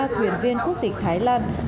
ba thuyền viên quốc tịch thái lan